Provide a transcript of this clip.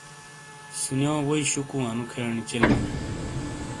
ِسنیو ووئی شوکوں انو کھینر چلمی نی۔